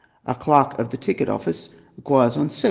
a clerk of the ticket office retires on 700£.